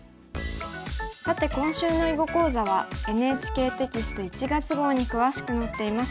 さて今週の囲碁講座はＮＨＫテキスト１月号に詳しく載っています。